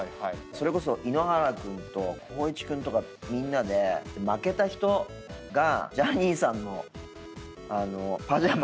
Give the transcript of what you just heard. それこそ井ノ原君と光一君とかみんなで負けた人が。